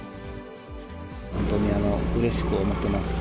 本当にうれしく思ってます。